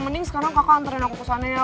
mending sekarang kakak anterin aku kesana ya